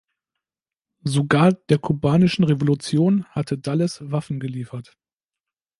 Sogar der kubanischen Revolution hatte Dulles Waffen geliefert.